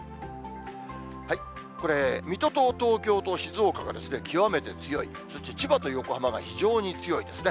これ、水戸と東京と静岡が極めて強い、そして千葉と横浜が非常に強いですね。